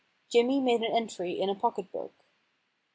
Jimmy made an entry in a pocket book.